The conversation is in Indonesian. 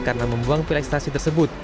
karena membuang pil ekstasi tersebut